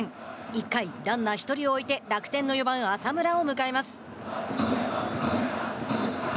１回、ランナー１人を置いて楽天の４番、浅村を迎えます。